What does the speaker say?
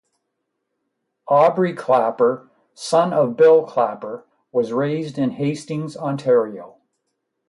Aubrey Clapper, son of Bill Clapper, was raised in Hastings, Ontario.